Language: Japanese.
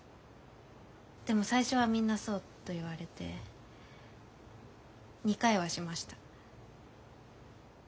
でも「最初はみんなそう」と言われて２回はしました。